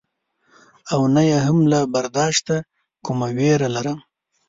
او نه یې هم له برداشته کومه وېره لرم.